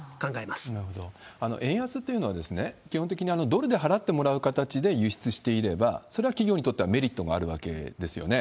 円安というのは、基本的にドルで払ってもらう形で輸出していれば、それは企業にとってはメリットがあるわけですよね。